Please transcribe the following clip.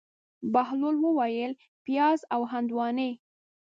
بهلول وویل: پیاز او هندواڼې.